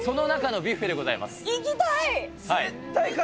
行きたい！